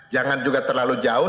jangan juga terlalu jauh